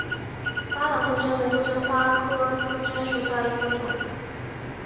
巴朗杜鹃为杜鹃花科杜鹃属下的一个种。